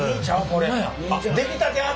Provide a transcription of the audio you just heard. これ。